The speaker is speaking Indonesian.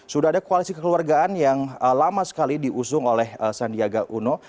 sudah ada koalisi kekeluargaan yang lama sekali diusung oleh sandiaga uno